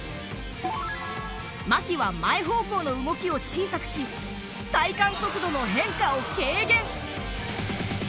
牧は前方向の動きを小さくし、体感速度の変化を軽減。